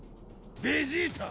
ベジータ！